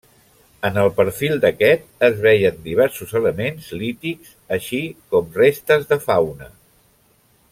En el perfil d'aquest es veien diversos elements lítics, així com restes de fauna.